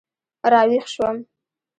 را ویښ شوم.